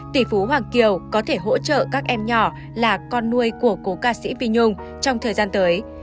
tỷ phú hoàng kiều có thể hỗ trợ các em nhỏ là con nuôi của cố ca sĩ vi nhung trong thời gian tới